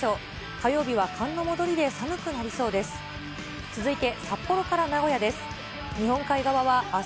火曜日は寒の戻りで寒くなりそうです。